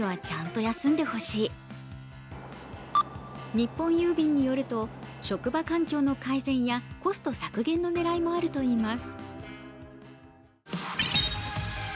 日本郵便によると職場環境の改善やコスト削減の狙いもあるとみられます。